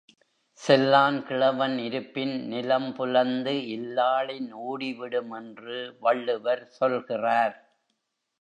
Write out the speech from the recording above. செல்லான் கிழவன் இருப்பின் நிலம்புலந்து இல்லாளின் ஊடி விடும் என்று வள்ளுவர் சொல்கிறார்.